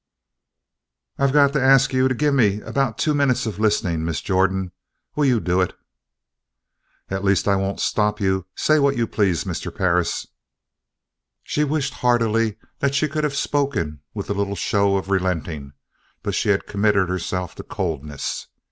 "I got to ask you to gimme about two minutes of listening, Miss Jordan. Will you do it?" "At least I won't stop you. Say what you please, Mr. Perris." She wished heartily that she could have spoken with a little show of relenting but she had committed herself to coldness.